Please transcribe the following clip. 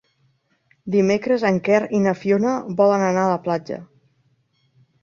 Dimecres en Quer i na Fiona volen anar a la platja.